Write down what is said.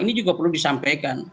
ini juga perlu disampaikan